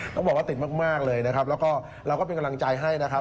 ต้องบอกว่าติดมากเลยนะครับแล้วก็เราก็เป็นกำลังใจให้นะครับ